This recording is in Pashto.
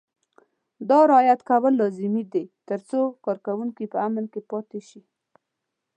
دا رعایت کول لازمي دي ترڅو کارکوونکي په امن کې پاتې شي.